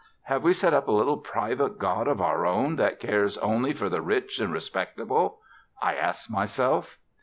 Have we set up a little private god of our own that cares only for the rich and respectable?' I asked myself.